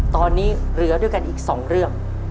ตอนนี้เหลือด้วยกันอีก๒เรื่อง